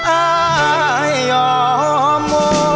อายยอม